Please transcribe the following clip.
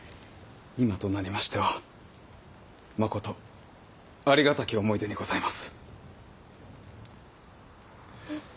今となりましてはまことありがたき思い出にございます。